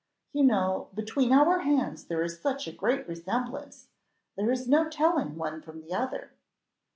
You know, between our hands there is such a great resemblance, there is no telling one from the other."